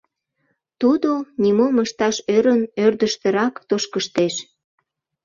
Тудо, нимом ышташ ӧрын, ӧрдыжтырак тошкыштеш.